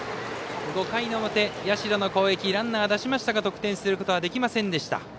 ５回表、社の攻撃ランナー出しましたが得点することはできませんでした。